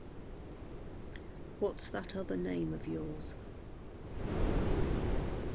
What's that other name of yours?